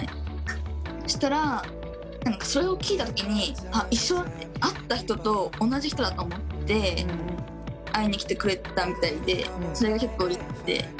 そしたらそれを聞いた時に「あっ一緒だ」って「会った人と同じ人だ」と思って会いに来てくれたみたいでそれが結構うれしくて。